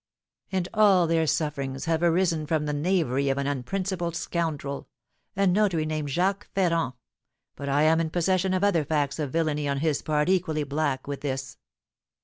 "And all their sufferings have arisen from the knavery of an unprincipled scoundrel, a notary, named Jacques Ferrand. But I am in possession of other acts of villainy on his part equally black with this."